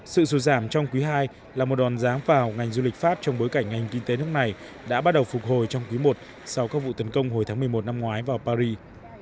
sự sụt giảm trong quý ii là một đòn ráng vào ngành du lịch pháp trong bối cảnh ngành kinh tế nước này đã bắt đầu phục hồi trong quý i sau các vụ tấn công hồi tháng một mươi một năm ngoái vào paris